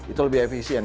itu lebih efisien